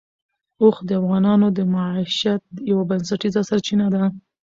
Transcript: اوښ د افغانانو د معیشت یوه بنسټیزه سرچینه ده.